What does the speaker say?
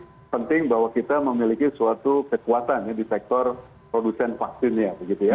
saya kira itu pening bahwa kita memiliki suatu kekuatan di sektor produksien vaksin ya